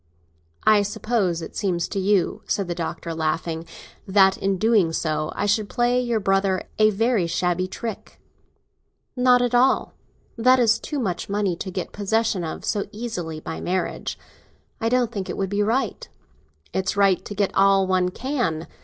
"I suppose it seems to you," said the Doctor, laughing, "that in so doing I should play your brother a very shabby trick." "Not at all. That is too much money to get possession of so easily, by marrying. I don't think it would be right." "It's right to get all one can.